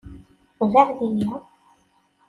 Beɛɛed-iyi!